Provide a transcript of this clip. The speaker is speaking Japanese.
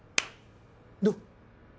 どう？